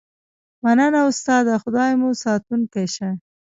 مننه استاده خدای مو ساتونکی شه